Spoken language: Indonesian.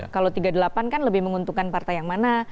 kalau tiga puluh delapan kan lebih menguntungkan partai yang mana